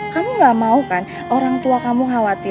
kamu gak mau kan orang tua kamu khawatir